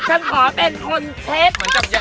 ฉันขอเป็นคนเช็บ